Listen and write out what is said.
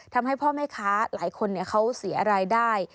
ทำให้พ่อแม่ค้าหลายคนเขาเสียรายได้